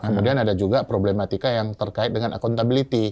kemudian ada juga problematika yang terkait dengan accountability